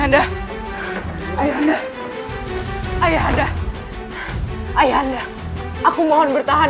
hai anda ayah anda ayah anda ayah anda aku mohon bertahan